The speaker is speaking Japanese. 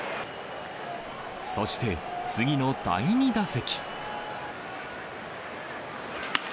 そして、次の第２打席。